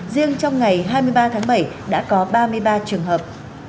riêng trong ngày hai mươi ba tháng bảy đã có ba mươi ba trường hợp